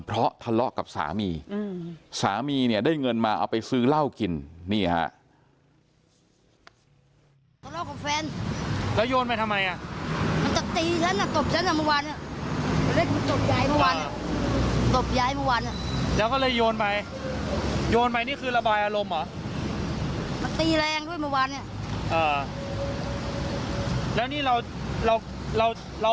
เพราะทะเลาะกับสามีสามีเนี่ยได้เงินมาเอาไปซื้อเหล้ากินนี่ฮะ